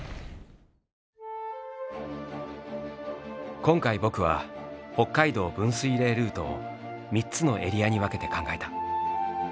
今回「僕」は北海道分水嶺ルートを３つのエリアに分けて考えた。